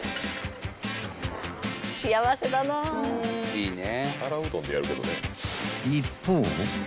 いいね。